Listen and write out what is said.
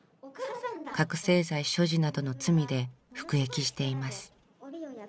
覚醒剤所持などの罪で服役しています。